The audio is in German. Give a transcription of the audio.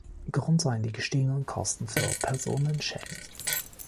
Grund seien die gestiegenen Kosten für Personenschäden.